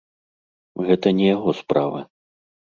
Гэта не яго справа.